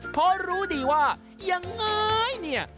เพราะรู้ดีว่ายังไงเนี่ย